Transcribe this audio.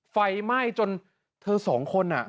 ไฟไหม้จนเธอสองคน